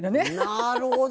なるほど！